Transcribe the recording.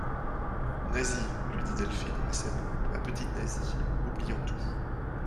Nasie, lui dit Delphine en la serrant, ma petite Nasie, oublions tout.